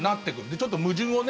ちょっと矛盾をね